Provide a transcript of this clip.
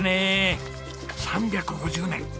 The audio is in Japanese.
３５０年！